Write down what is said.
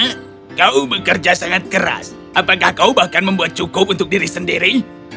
karena kau bekerja sangat keras apakah kau bahkan membuat cukup untuk diri sendiri